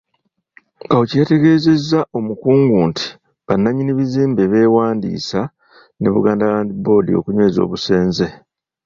Kawuki yategeezezza Omukungu nti bannannyini bizimbe beewandiisa ne Buganda Land Board okunyweza obusenze.